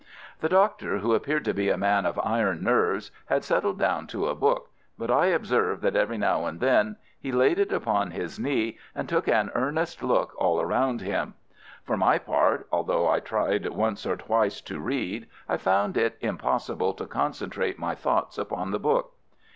The Doctor, who appeared to be a man of iron nerves, had settled down to a book, but I observed that every now and then he laid it upon his knee, and took an earnest look all round him. For my part, although I tried once or twice to read, I found it impossible to concentrate my thoughts upon the book.